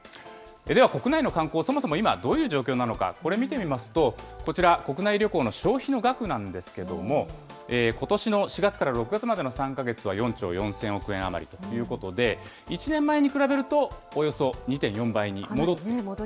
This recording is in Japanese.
では国内の観光、そもそも今、どういう状況なのか、これ見てみますと、こちら、国内旅行の消費の額なんですけども、ことしの４月から６月までの３か月は４兆４０００億円余りということで、１年前に比べると、およそ２．４倍に戻っている。